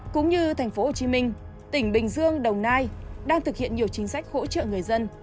cũng như tp hcm tỉnh bình dương đồng nai đang thực hiện nhiều chính sách hỗ trợ người dân